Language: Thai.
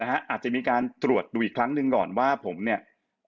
อาจจะมีการตรวจดูอีกครั้งหนึ่งก่อนว่าผมเนี่ย